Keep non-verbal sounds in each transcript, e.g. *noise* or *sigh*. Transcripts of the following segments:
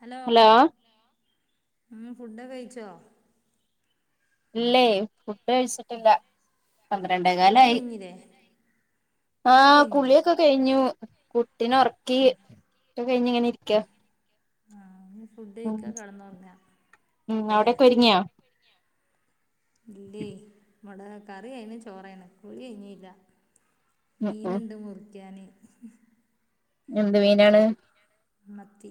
Hello ഉം ഫുഡൊക്കെ കഴിച്ചോ ഇല്ലേ ഫുഡ് കഴിച്ചിട്ടില്ല പന്ത്രണ്ടേ കുളി കാലായി കഴിഞ്ഞില്ലേ കുളി ആഹ് കഴിഞ്ഞില്ലേ കുളിയൊക്കെ കഴിഞ്ഞു കുട്ടിനെ ഒർക്കി കുളി ഒക്കെ കഴിഞ്ഞു ഇങ്ങനെ ഇരിക്ക ആഹ് ഇഞ് ഫുഡ് ഉം കഴിക്കാ കെടന്നു ഒറങ്ങ ഉം ലെ അവിടെക്കെ ഒരുങ്ങിയോ ഇല്ലേയ് ഇവടെ കറി ആയിണ് ചോറായീണ് കുളി കയിഞ്ഞീല്ലാ ഉം മീന് ഉം ഇണ്ട് മുറിക്കാന് എന്ത് മീനാണ് മത്തി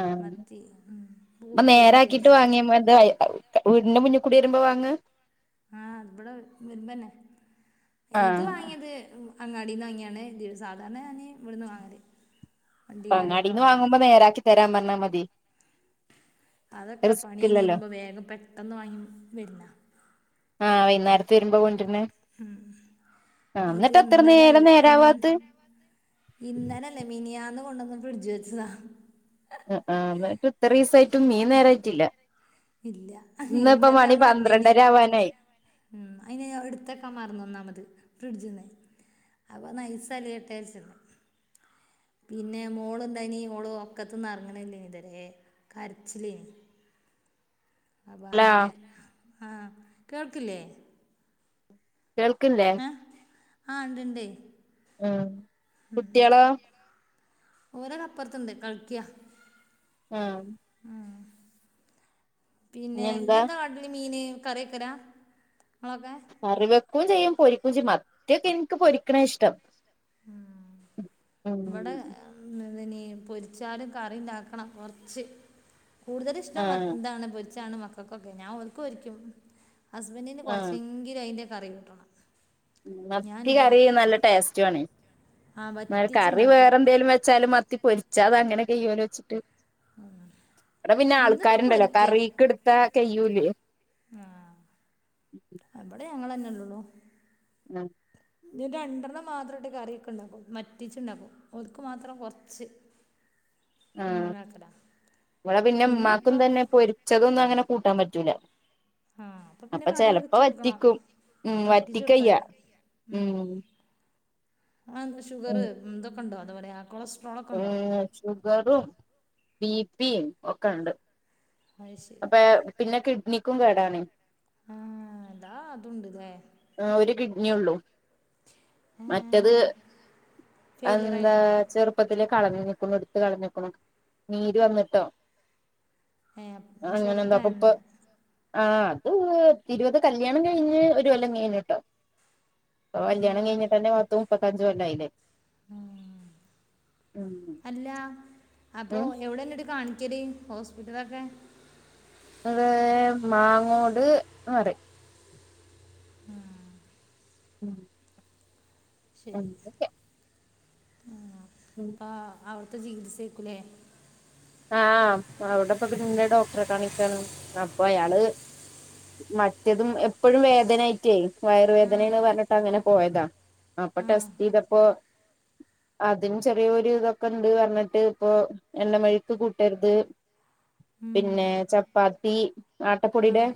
ആഹ് മത്തി ഉം ഇന്നാ നേരാക്കിട്ട് പൊരിക്കാരിച്ച് വാങ്ങിയ എന്താ വീടിന്റെ മുന്നിക്കൂടിവരുമ്പോ വാങ്ങ ആഹ് ഇവിടെ വരുമ്പന്നെ ഇത് ആഹ് വാങ്ങിയേത് അങ്ങാടിന്ന് വാങ്ങിയാണ് സാധാരണ ഞാൻ ഇവിടുന്ന് വാങ്ങല് വണ്ടിക്കാരേന്നാ അങ്ങാടിന്ന് വാങ്ങല് വാങ്ങുമ്പോ നേരാക്കി തരാൻ പറഞ്ഞാ മതി അതൊക്കെ പണി റിസ്ക് കഴിഞ് ഇല്ലല്ലോ വരുമ്പോ വേഗം പെട്ടെന്ന് വാങ്ങി വര്ന ആഹ് വൈന്നേരത്ത് വരുമ്പോ കൊണ്ടര്ന്നെ ഉം ഇത് നേരം ഇന്നലെല്ലാ നേരാവാത്ത് ഇന്ന് ഇന്നലെല്ല മിനിയാന്ന് കൊണ്ടന്ന് ഫ്രിഡ്ജ് വെച്ചതാ അ ആഹ് ഇന്നട്ട് ഇത്ര ഈസായിറ്റും മീൻ നേരായിറ്റില്ല ഇല്ല ഇന്ന് ഇപ്പം ഇന്നലെ ഞാൻ മണി ഇവിടെ ഇല്ലേനി പന്ത്രണ്ടര ആവാനായി അതിന് ഞാൻ ഇടുത്തെക്കാ മറന്ന് ഒന്നാമത് ഫ്രിഡ്ജിന്ന് അപ്പന്നാ ഐസ് അലിയട്ടെ വെച്ച് പിന്നെ മോളുണ്ടായിനി ഓള് ഒക്കത്തന്ന് അറങ്ങ്ണില്ലേനി ഇത് വരേ കരച്ചിലേനി അപ്പ അല്ലാ അങ്ങനെ ആ കേൾക്കില്ലേ? കേൾക്ക്ണ്ല്ല്യ. ആഹ് ഇണ്ടിണ്ടേ ഉം ഉം. കുട്ടികളോ കുട്ട്യളോ? ഓരക അപ്പുറത്തുണ്ട് കളിക്യാ. ആഹ്. ഇനി പിന്നെ എന്താ ഇഞ്യന്താ കാട്ടല് മീന് കറെക്കിട *unintelligible* ക്കെ? കറിവെക്കോം ചെയ്യും പൊരിക്കും ചെയ്യും. മത്തി ഒക്കെ എനിക്ക് പൊരിക്കണ ഇഷ്ടം. ഉം ഉം ഇവടെ ഉം ഇനി പൊരിച്ചാലും കറിണ്ടാക്കണം കുറച്ച്, കൂടുതൽ ഇഷ്ടം ആഹ് എന്താണ് പൊരിച്ചാണ് മക്കൾക്കൊക്കെ, ഞാൻ ഓൽക്ക് പൊരിക്കും. ഹസ്ബൻഡിന് ആഹ് കൊറച്ചെങ്കിലും അയിന്റെ കറി കിട്ടണം. ഉം മത്തി കറി നല്ല ടേസ്റ്റ് ആണ്. ആ കറി വറ്റിച്ചുണ്ടാക്കും വേറെന്തേലും വെച്ചാലും മത്തി പൊരിച്ചാ അത് അങ്ങനെ കൈയോലോ വെച്ചിട്ട്, അവ്ടെ പിന്നെ ഇന്നിപ്പോൾ ആൾക്കാര്ണ്ടല്ലോ പൊരിക്കുക കറിക്ക് ഇട്ത്താ കയ്യൂല്ലേ. ആഹ് ഇവിടെ ഞങ്ങളന്നെള്ളു. ണം. രണ്ടെണ്ണം മാത്രട്ട് കറിയൊക്കെ ഇണ്ടാക്കും, വറ്റിച്ച് ഇണ്ടാക്കും ഓൽക്ക് മാത്രം കൊർച്ച്. *inaudible* ആഹ് ഇബടെ പിന്നെ ഉമ്മാക്കും ഇന്നിപ്പം തന്നെ പൊരിച്ചതൊന്നും അങ്ങനെ കൂട്ടാൻ പറ്റൂല. ആഹ് അപ്പൊ പിന്നെ കറി ചെലപ്പോ വെച്‌ കൊട്ക്കണം. വറ്റിക്കും ഉം വറ്റിക്കയ്യ വറ്റിചൊടുത്താതി ഉം. ആ ഷുഗറ് എന്തൊക്കെ ഇണ്ടോ എന്ത പറയാ കൊളസ് ഏഹ് ഷുഗറും ബി പി മം ഒക്കെ ഇണ്ട്. അത് ശരി അപ്പെ പിന്നെ കിഡ്നിക്കും കേടാണ്. ആഹ് അതാ അതുണ്ട്ലേ. ആഹ് ഒരു കിഡ്നിയേ ഒള്ളൂ. മറ്റത് ഫെയിലിയർ എന്താ ആയിന് ചെർപ് പ്പത്തില് കളഞ്ഞേക്കുണു എടുത്ത് കളഞ്ഞേക്കുണു. നീര് വന്നിട്ടോ. ഏ അങ്ങനെ എന്താ ചെറുതായെന്ന് *unintelligible* ആ അത് ഇരുപത് കല്യാണം കഴിഞ്ഞ് ഒരു കൊല്ലം കഴഞ്ഞിട്ടോ? ഇപ്പ കല്യാണം ആ കഴിഞ്ഞട്ടന്നെ പത്ത് മുപ്പത്തഞ്ച് കൊല്ലായിലെ. ഉം. അല്ല അപ്പോ ഉം എവിടെന്ന്ട്ട് കാണിക്കല്? ഹോസ്പിറ്റലൊക്കെ. അത് മാങ്ങോട് ന്ന് പർയും. ഉം. ഉം. ശരി അങ്ങനെയൊക്കെ ആ. ഉം ആ അവിടുത്തെ ചികിൽസേക്കുലേ. ആഹ് അവിടെപ്പൊ ഇതിന്റെ ഡോക്ടറെ കാണിക്കാണ്. അപ്പ അയാള് മറ്റതും എപ്പഴും വേദനായിട്ടെ ആ വയറുവേദനേന്ന് പറഞ്ഞിട്ട് അങ്ങനെ പോയതാ. അപ്പ ടെസ്റ്റെയ്തപ്പോ, അതിന് ചെറിയോര് ഇതൊക്കെ ഇണ്ട് പറഞ്ഞിട്ട് ഇപ്പൊ എണ്ണമെഴ് ക്ക് കൂട്ടര്ത്, പിന്നെ ചപ്പാത്തി ആട്ടപ്പൊടിടെ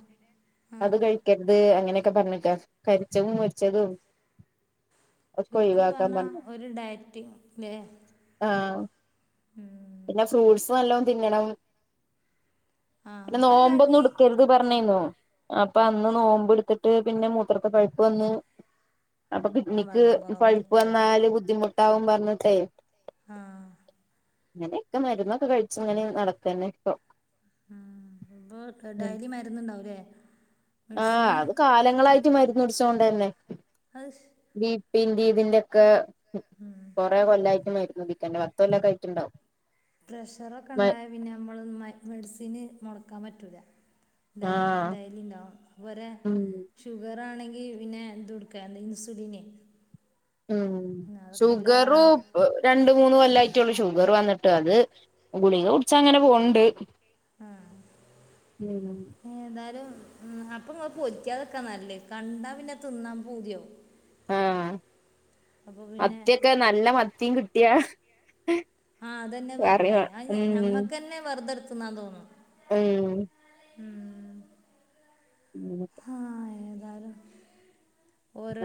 ആ അത് കഴിക്കര്ത് അങ്ങനെക്ക പറഞ്ഞക്കാ. കരിച്ചതും മൊരിച്ചതും. ഒക്കെ ചുരുക്കി ഒഴിവാക്കാൻ പറഞ്ഞാ പറഞ്ഞു ഒരു ഡയറ്റിങ് ഇല്ലേ ആഹ് പിന്നെ ഫ്രൂട്ട്സ് നല്ലോണം തിന്നണം ആ പിന്നെ അല്ല നോമ്പ് ഒന്നും ഈ എടുക്കല്ലെ ന്ന് പറഞ്ഞീനു അപ്പ അന്ന് നോമ്പ് എടുത്തിട്ട് പിന്നെ മൂത്രത്തിൽ പഴുപ്പ് വന്ന് അപ്പ ആ കിഡ്നിക്ക് വെള്ളം പഴുപ്പ് കുറവഞ്ഞിട്ടേ വന്നാല് ബുദ്ധിമുട്ടാവും പറഞ്ഞിട്ടേ ആഹ് ഇങ്ങനെയൊക്കെ മരുന്നൊക്കെ കഴിച്ച് ഇങ്ങനെ നടക്കെ തന്നെ ഇപ്പൊ ആഹ് ഇപ്പൊ ഡയലി മരുന്നുണ്ടാവും അല്ലേ ആഹ് അത് കാലങ്ങളായിട്ട് മരുന്ന് കുടിച്ചോണ്ടന്നെ അത് ശ ബീ പ്പിന്റെ ഇതിന്റൊക്കെ കൊറെ കൊല്ലായിട്ട് മരുന്ന് കുടി ക്കണ്ട് പത്ത് കൊല്ലവൊക്കെ കഴിക്കൊണ്ടാവും പ്രഷറൊക്കെ ഉണ്ടായാ പിന്നെ നമ്മള് മെഡിസിന് മൊടക്കാൻ പറ്റൂല ഡ ആഹ് ഡെയ്ലി ഉണ്ടോ ഇവരെ ഉം ഷുഗർ ആണെങ്കി പിന്നെ ഇത് കൊടുക്കാ എന്ത ഇൻസുലിനെ ഉം ഉം അതൊക്കെ എല്ലാർ ഷുഗറും രണ്ട് മൂന്ന് കൊല്ലായിട്ടെ ഉള്ളൂ ഷുഗർ വന്നിട്ട് അത് ഗുളിക കുടിച്ചാ അങ്ങനെ പോണൊണ്ട് ആഹ് ഏ ഏതായാലും അപ്പൊ ഇങ്ങള് പൊരിക്കാതെക്കാ നല്ലത് കണ്ടാ പിന്നെ തിന്നാൻ പൂതിയാവും ആഹ് അപ്പോൾ പിന്നെ മത്തിയൊക്കെ നല്ല മത്തിയും കിട്ടിയാ ആഹ് അതന്നെയാ കറി പറഞ്ഞേ വാ അത് ഞ ഉം ഞമ്മക്ക് തന്നെ വെറുതെ എടുത്ത് തിന്നാൻ തോന്നും ഉം ഉം ഇങ്ങനൊക്കെ ആഹ് ഏതാലും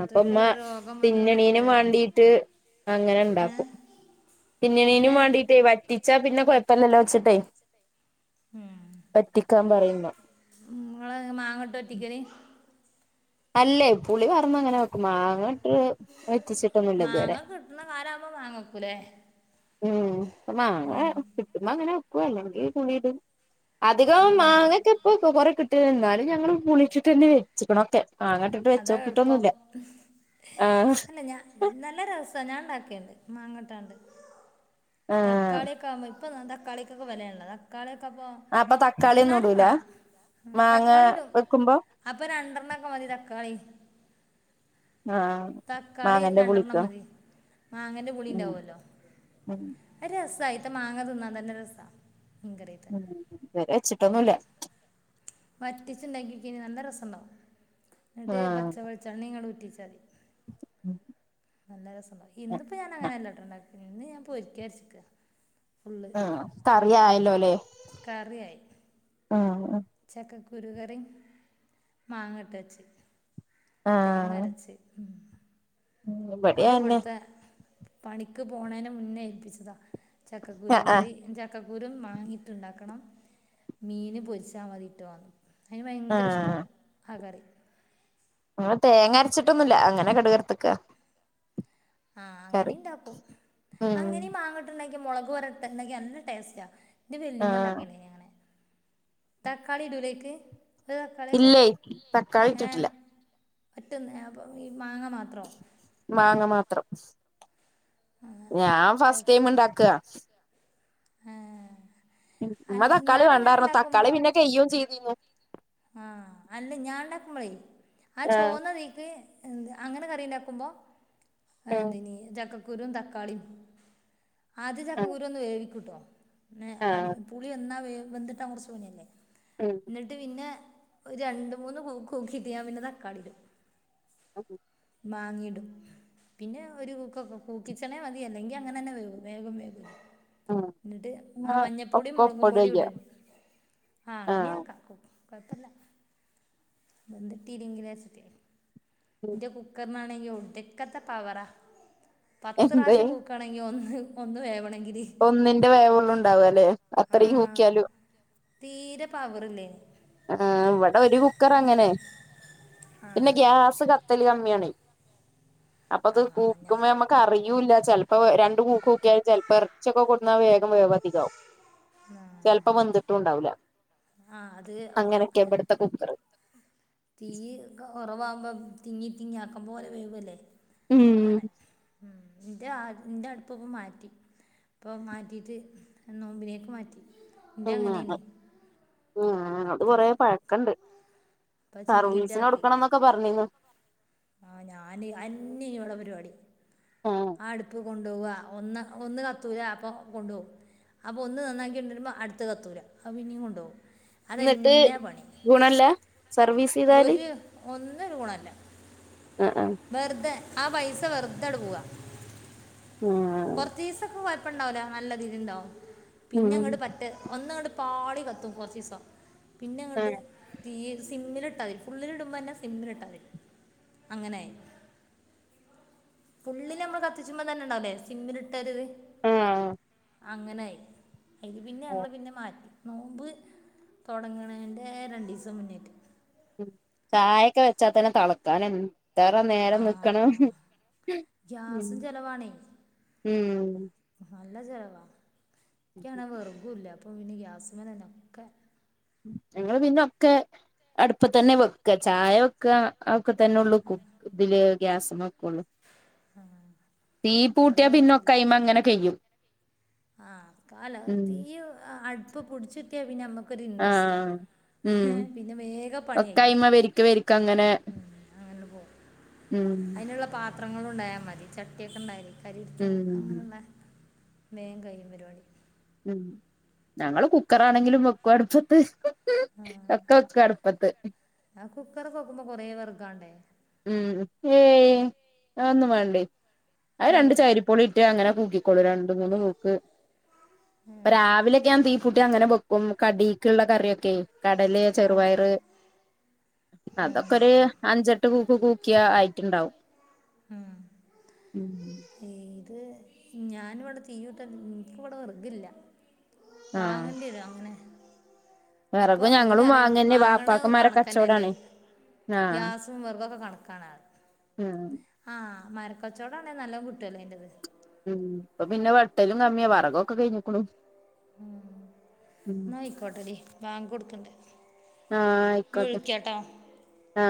അപ്പൊ ഉമ്മ വന്ന് തിന്നണീനും വീണത് വേണ്ടീട്ട് അങ്ങനെ ഇണ്ടാക്കും തിന്നണീനും അങ്ങനെ വേണ്ടീട്ട് വറ്റി ച്ചാ പിന്നെ കുഴപ്പല്ലല്ലോന്ന് വെച്ചിട്ടേ വറ്റിക്കാൻ പറയും ഉമ്മ ഉമ്മാ മാങ്ങയിട്ടാ വറ്റിക്കല് അല്ലേ പുളി വാർന്ന് അങ്ങനെ വെക്കും മാങ്ങയിട്ട് വറ്റിച്ചി മാങ്ങ കിട്ടുണ കാലാവുമ്പോ മാങ്ങ വെക്കൂലേ ഉം അപ്പ മാങ്ങ ഉം. കിട്ടുമ്പോ അങ്ങനെ വെക്കും അല്ലങ്കിൽ പുളിയിടും അധികം ഉം. മാങ്ങയൊക്കെ ഇപ്പൊ കൊറെ കിട്ടും എന്നാലും ഞങ്ങള് പുളി ചു റ്റിനും വെച്ചിക്കണ് ഒക്കെ മാങ്ങ ഇട്ട് അതാ എളുപ്പം ആഹ് അല്ല ഞാ നല്ല രസവാ ഞാൻ ഉണ്ടാക്കിണ്ട് മാങ്ങ ഇട്ടാണ്ട് ആഹ് തക്കാളിയൊക്കെ ആവുമ്പോ ഇപ്പം തക്കാളിക്കൊക്കെ വിലയാണല്ലോ തക്കാളിയൊക്കെ അപ്പോ അപ്പൊ തക്കാളി ഒന്നും അന്നാലും ഇടൂല വേണം മാങ്ങ തക്കാളി ഇടും വെക്കുമ്പോ അപ്പൊ രണ്ടെണ്ണക്കെ മതി തക്കാളി ആഹ് തക്കാളി മാങ്ങന്റെ രണ്ടെണ്ണം പുളിക്കോ മതി മാങ്ങേന്റെ ഉം പുളിണ്ടാവുല്ലോ ഉം അത് രസവാ അയിത്തെ മാങ്ങ തിന്നാൻ തന്നേ രസാ മീൻ കറി വെക്കാൻ ഉം ഇതുവരെ വെച്ചിട്ടൊന്നുല്ല വറ്റിച്ചുണ്ടാക്കി കയിഞ്ഞാ നല്ല രസവുണ്ടാവും എന്നിട്ട് പച്ചവെളിച്ചെണ്ണ ഇങ്ങോട്ട്‌ ഊറ്റി വെച്ചാൽ മതി ആഹ് നല്ല രസവുണ്ടാവും ഇന്നിപ്പോ ഞാൻ അങ്ങനെല്ല കേട്ടോ ഉണ്ടാ ഇന്ന് ഞാൻ പൊരിക്കാരിച്ചിക്കാ ആഹ് കറിയായല്ലോല്ലേ? ആഹ് - ചക്കക്കുരുകറി മാങ്ങാട്ട്വച്ച് തേങ്ങ ആഹ് അരച്ച് മ്ഹ്- ഇവിടേം അത് അതെന്നെ ഇവിടുത്തെ പണിക്ക് പോണേന് മുന്നേ ഏൽപ്പിച്ചതാ ആഹ് ചക്കക്കുരുകറി ചക്ക് ചക്കക്കൂരും മാങ്ങയിട്ടുണ്ടാക്കണം മീന് പൊരിച്ചാ മതിട്ടൊന്ന്- അയിന് ആഹ് ഭയങ്കര ഇഷ്ടാ ആഹ് ആ കറി ആഹ് തേങ്ങ അരച്ചിട്ടൊന്നുല്ല അങ്ങനെ കടുവർത്ത്ക്ക- ആഹ് അങ്ങനെയിണ്ടാക്കും ഉം അങ്ങനെ മാങ്ങ അല്ലെങ്കിൽ മൊളക് വരട്ട്ണ്ടങ്കിൽ നല്ല ടേസ്റ്റാ ഇന്റെ ആഹ് വല്ലിയമ്മണ്ടാക്കി അങ്ങനെ- തക്കാളി ഇടുല്ലേയ്ക്ക് ഒരു തക്കാളിയെക്ക ഇല്ലേ തക്കാളി ആഹ് ഇട്ടിട്ടില്ല പറ്റുന്ന അപ്പം ഈ മാങ്ങമാത്രോ? മാങ്ങ മാത്രം ആഹ് ഞാൻ ചെ ഫസ്റ്റ് ടൈം ഇണ്ടാക്കുക ആഹ് ഇമ്മ അല്ല തക്കാളി ഞാനങ്ങനെ വെണ്ടാപർഞ്ഞു തക്കാളി ഉണ്ടാക്കുമ്പോ പിന്നെ കൈയോം ചെയ്തീർന്ന് ആഹ് അല്ല ഞാണ്ടാക്കുമ്പളെ ആ ആഹ് ചോന്നനീക്ക് അങ്ങനെ കറി ഇണ്ടാക്കുമ്പോ ആഹ് എന്തിനീ ചക്ക ക്കുരും തക്കാളിയും ആദ്യംചക്കക്കുരു ഒന്ന് വേവിക്കുട്ടോ പിന്നെ ആഹ് - പുളി എന്നാ വെന്തിട്ടാ *unintelligible* ഉം എന്നിട്ട് പിന്നെ ഒരു രണ്ട്മൂന്ന്ക്കിട്ടഞാൻ പിന്നെ തക്കാളിടും *inaudible* മാങ്ങയിടും പിന്നെ ഒരു കൂക്കക്കെ കുകും കുക്കിച്ചണേ മതിയല്ലെങ്കിൽ അങ്ങനെ തന്നെ വേവും വേഗം വേവും ആഹ് എന്നിട്ട് ന്നാ ആ മഞ്ഞപ്പൊടിയും ഒക്കെ മൊളകും ഒപ്പടാ പൊടിയും ചെയ്യാ ഇടും ആഹ് അങ്ങനെയാക്കാം കൊഴപ്പല്ല *unintelligible* കുക്കറിനാണെങ്കിൽ ഒടുക്കത്തെ പവറാ പത്ത് എന്തേ പ്രാവശ്യം കുക്ക്- ക്കണെങ്കിൽ ഒന്ന് വേവണെങ്കിൽ- ഒന്നിന്റെ വേവെയുള്ളു ഉണ്ടാവല് ആ അത്രയും കൂക്കിയാലും- തീരെ പവറില്ലേ ആഹ് ഇവിടെ ഒരു കുക്കറങ്ങനെ പിന്നെ ഗ്യാസ് ക ക്കല് കമ്മിയാണ് അപ്പ ആ അത് ഞാ കൂക്ക്മ്പം നമക്ക- റിയൂല്ല ചെലപ്പോ രണ്ട് കൂക്ക് കുക്കിയാൽ ചെലപ്പോ ഇറച്ചിയൊക്കെ കൊണ്ട്ന്നാൽ വേഗം വേവതികാവും ആഹ് ചെലപ്പം വെന്തിട്ടും ഉണ്ടാവില്ല ആഹ് അത് അങ്ങനെക്കെയാ ഇവിടുത്തെ കുക്കറ് തീ ഒക്കെ കൊറവാകുമ്പം തിങ്ങി തിങ്ങി ആക്കുമ്പോലെ വേവ്വല്ലേ ഉം അതാണ്- ഉം ഇന്റെ എന്റെ അടുപ്പിപ്പം മാറ്റി- ഇപ്പൊ മാറ്റിയിട്ട് നോമ്പിനേക്ക് മാറ്റി എൻ്റെ ഉം അങ്ങനെയാണ് അത് കൊറെ പഴക്കണ്ട് ഇപ്പം ചില്ലിൻ്റെ സർവീസിന് ആക്കി കൊടുക്കണംന്നൊക്കെ പറഞ്ഞിന്ന്- ആ ഞാന് അത് തന്നെ ഇനിയൊള്ളപരിപാടി ആഹ് ആ അടുപ്പ് കൊണ്ട്- കൊണ്ട്പോവാ ഒന്ന് ഒന്ന് കത്തൂല അപ്പൊ കൊണ്ടു പോവും അപ്പോ ഒന്ന് നന്നാക്കി കൊണ്ട്ര് ര്മ്പോ അട്ത്ത കത്തൂല അപ്പം പിന്നിം കൊണ്ടോവും ന്നട്ട് ഗുണല്ല സർവീസ് ചെയ്താല് ഒര് ഒന്നര് ഗുണല്ല ആ ആ വെർതെ ആ പൈസ വെർതാണ്ട് പോവ ആഹ് കൊർചീസൊക്ക വ പ്പ ഇണ്ടാവൂല നല്ല രീതീല് ഇണ്ടാവും പിന്നെ ഉം അങ്ങോട്ട് പറ്റേ ഒന്ന് അങ്ങട്ട് പാളി കത്തും കൊർചീസം പിന്നെ അങ്ങട്ട് ആഹ് തിയ്യ് സിമ്മിലിട്ടാ മതി ഫുള്ളില്ടുമ്പോന്നെ സിമ്മിലിട്ടാ മതി അങ്ങനെയി ഫുള്ളില് നമ്മള് കത്തിച്ചുമ്പം തന്നെ ഇണ്ടാവൂലെ സിമ്മിലിട്ട ഒര് ഇത് ആഹ് അങ്ങനെയി അയില് പിന്നെ ആഹ് ഞങ്ങള് പിന്നെ മാറ്റി നോമ്പ് തോട്ങ്ണെൻ്റെ രണ്ടീസം മുന്നേയ്റ്റ് ഉം ചായക്കെ വെച്ചാ തന്നെ തളക്കാൻ എ ത്തറ നേരം ആ നിക്കണം ഗ്യാസും ചിലവാണേ ഉം. നല്ല ചെലവാ ഇക്കി അങ്ങനെ വെർകുല്ല അപ്പൊ പിന്നെ ഗ്യാസ്മലന്നെ ഒക്കെ ഞങ്ങള് പിന്നെ ഒക്കെ അടുപ്പത്തന്നെ വെക്ക ചായ വെക്ക അതൊക്കെ തന്നെ ഒള്ളൂ കു ഇതില് ഗ്യാസ്മ വെക്കോള്ളൂ ആ തീ ഇവിടെ പൂട്ടിയാ പിന്നെ ഒക്ക വിറകില്ല അയ്മ അങ്ങന കയ്യും ആ കാല തീ അട്പ്പ് പുട്ചിട്ടിയ പിന്നെ നമ്മക്കൊര് ഇൻട്രസ്റ്റാ ആഹ് ഉം പിന്നെ വേഗം പണി കയ്യും ഒക്കയ്മ വരിക്ക വരിക്ക അങ്ങനെ അങ്ങനാണ്ട് പോവും ഉം അയിന്ള്ള പാ ത്രങ്ങളും ഇണ്ടായാ മതി ചട്ടിയൊക്കെ ഇണ്ടായാലെ കരി പിടിക്യാ ഉം അങ്ങനെണ്ട വേം കയ്യും പരിവാടി ഉം ഞങ്ങള് കുക്കറാണെങ്കിലും വെക്കു അടുപ്പത്ത് ആ ഒക്ക വെക്കും അട്പ്പത്ത് ആ കുക്കറ് ഒക്ക വെക്കുമ്പം കൊറെ വെർഗാണ്ടേ ഉം ഏയ് അതൊന്നും വേണ്ടേ അത് രണ്ട് ഇല്ലേ ചെയ്രി പ്പൊളിട്ട അങ്ങനെ കൂക്കിക്കോളും രണ്ട് മൂന്ന് കൂക്ക് ഇപ്പ രാവിലക്കെ ഞാൻ തീ പു ട്ട അങ്ങനെ ബെക്കും കടീക്ക്ള്ള കറിയൊക്കെ കടലെ ആ ആ ചെറുപയറ് ഉം, അതൊക്കൊര് ആ അഞ്ചെട്ട് കൂക്ക് കൂക്ക്യാ ആയിട്ട്ണ്ടാവും. ഉം. ഉം. ഏത് ഞാൻ ഇവടെ തീയൂട്ടാൻ ഇൻക്ക് വട വെർഗില്ല. ആഹ് വാങ്ങണ്ട്യരു അങ്ങനെ അപ്പൊ വിറകും ഞങ്ങളും ഓലറിം വാങ്ങന്നെ വാങ്ണ വാപ്പാക്കന്മാരെ കണക്കന്നല്ലേ കച്ചവടാണ് ആഹ് ഗ്യാസും വെർഗൊക്ക കണക്കാണ് ഉം ആ മരക്കച്ചോടാണെ നല്ലോം കിട്ടല്ലോ അയിന്റത്. ഉം ഇപ്പ പിന്നെ വെട്ടലും കമ്മിയാ വെറകോക്ക കയിഞ്ക്ണു. ഉം ന്നാ അയിക്കോട്ടെടി ബാങ്ക് കൊട്ക്ക്ണ്ട്. ആ ആയിക്കോട്ടെ ആ